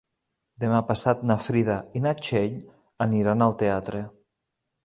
Demà passat na Frida i na Txell aniran al teatre.